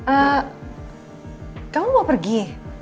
eh kamu mau pergi